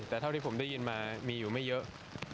แต่เท่าที่ผมได้ยินมามีอยู่ไม่เยอะ